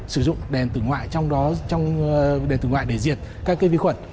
sử dụng đèn tử ngoại trong đó trong đèn tử ngoại để diệt các vi khuẩn